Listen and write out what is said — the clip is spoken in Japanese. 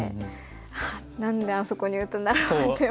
「ああ何であそこに打ったんだろう」って思いますよね。